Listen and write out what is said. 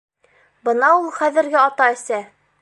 Бына ул хәҙерге ата-әсә!